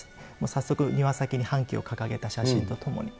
早速、庭先に半旗を掲げた写真とともに。